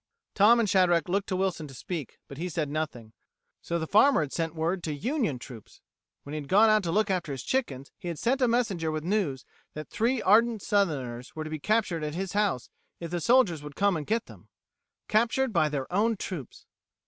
Tom and Shadrack looked to Wilson to speak, but he said nothing. So the farmer had sent word to Union troops! When he had gone out to look after his chickens, he had sent a messenger with the news that three ardent Southerners were to be captured at his house if the soldiers would come and get them! Captured by their own troops!